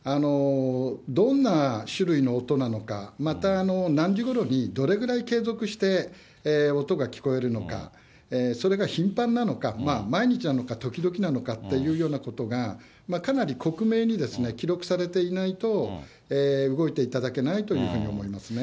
どんな種類の音なのか、また、何時ごろにどれぐらい継続して音が聞こえるのか、それが頻繁なのか、毎日なのか時々なのかっていうようなことが、かなり克明に記録されていないと、動いていただけないというふうに思いますね。